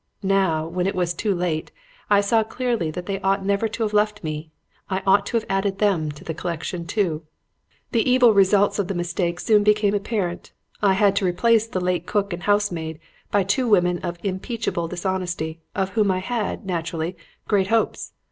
Now, when it was too late, I saw clearly that they ought never to have left me. I ought to have added them to the collection, too. "The evil results of the mistake soon became apparent. I had replaced the late cook and housemaid by two women of quite unimpeachable dishonesty, of whom I had, naturally, great hopes.